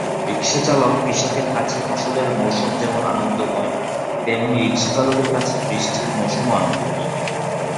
রিকশাচালককৃষকের কাছে ফসলের মৌসুম যেমন আনন্দময়, তেমনি রিকশাচালকের কাছে বৃষ্টির মৌসুমও আনন্দময়।